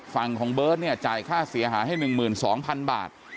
ฝั่งของเบิร์ตเนี่ยจ่ายค่าเสียหายให้๑๒๐๐๐บาท